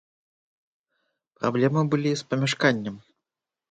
Праблемы былі з памяшканнем.